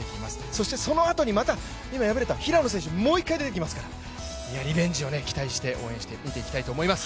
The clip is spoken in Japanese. そしてそのあとにまた、今敗れた平野選手、もう一回出てきますからリベンジを期待して応援したいと思います。